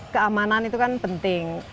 keamanan itu kan penting